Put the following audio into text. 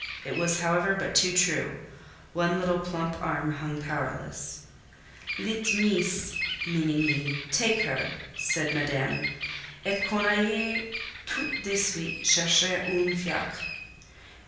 It was, however, but too true: one little plump arm hung powerless. "Let Meess" (meaning me) "take her," said Madame; "et qu'on aille tout de suite chercher un fiacre."